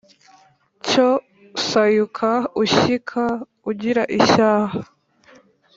Cyo sayuka ushyika ugira ishyaha